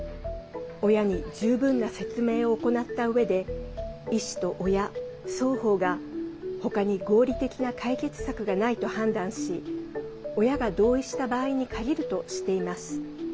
親に十分な説明を行ったうえで医師と親、双方が他に合理的な解決策がないと判断し親が同意した場合に限るとしています。